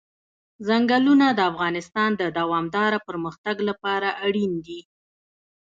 ځنګلونه د افغانستان د دوامداره پرمختګ لپاره اړین دي.